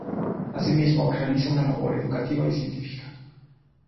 Así mismo, realiza una labor educativa y científica.